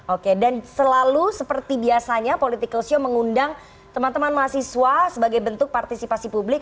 oke dan selalu seperti biasanya political show mengundang teman teman mahasiswa sebagai bentuk partisipasi publik